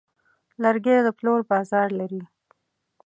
لرګی د پلور بازار لري.